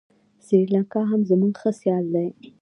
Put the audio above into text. سریلانکا هم زموږ ښه سیال دی.